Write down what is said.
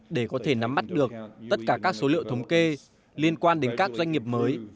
để có thể nắm mắt được tất cả các số liệu thống kê liên quan đến các doanh nghiệp mới